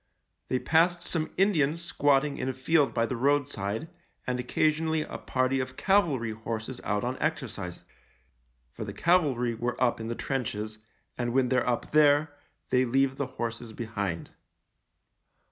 They passed some Indians squatting in a field by the roadside, and occasionally a party of cavalry horses out on exercise — for the cavalry were up in the trenches, and when they're up there they leave the horses behind.